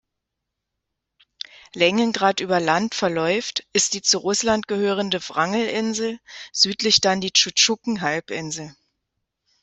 Längengrad über Land verläuft, ist die zu Russland gehörende Wrangelinsel, südlicher dann die Tschuktschen-Halbinsel.